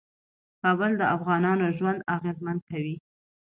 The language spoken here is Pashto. کابل د افغانانو ژوند اغېزمن کوي.